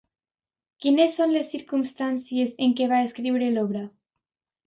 Quines són les circumstàncies en què va escriure l'obra?